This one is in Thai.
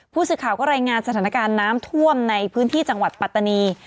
ผู้สื่อข่าวก็รายงานสถานการณ์น้ำท่วมในพื้นที่จังหวัดปัตตานี